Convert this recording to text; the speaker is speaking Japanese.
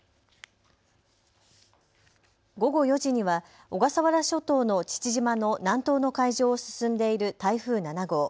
午後４時には小笠原諸島の父島の南東の海上を進んでいる台風７号。